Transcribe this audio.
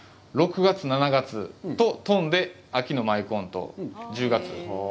６月、７月、飛んで秋の舞コーンと１０月。